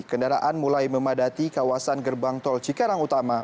kendaraan mulai memadati kawasan gerbang tol cikarang utama